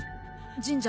神社